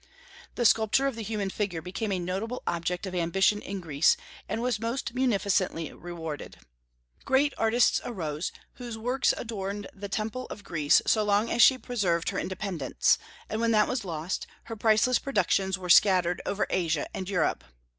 The sculpture of the human figure became a noble object of ambition in Greece, and was most munificently rewarded. Great artists arose, whose works adorned the temples of Greece so long as she preserved her independence, and when that was lost, her priceless productions were scattered over Asia and Europe.